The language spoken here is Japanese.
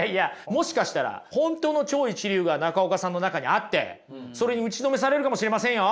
もしかしたら本当の超一流が中岡さんの中にあってそれに打ちのめされるかもしれませんよ。